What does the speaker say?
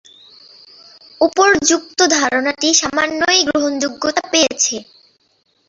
উপর্যুক্ত ধারণাটি সামান্যই গ্রহণযোগ্যতা পেয়েছে।